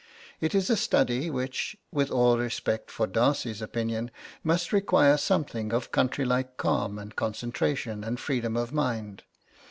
It is a study which, with all respect for Darcy's opinion, must require something of country like calm and concentration and freedom of mind.